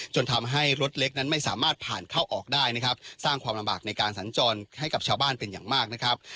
จนทำให้รถเล็กนั้นไม่สามารถผ่านเข้าออกได้นะครับสร้างความลำบากในการสัญจรให้กับชาวบ้านเป็นอย่างมากนะครับ